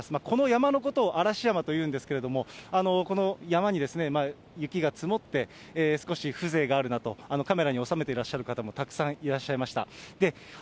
この山のことを嵐山というんですけれども、この山に雪が積もって、少し風情があるなと、カメラに収めていらっしゃる方もたくさんいらっしゃいました。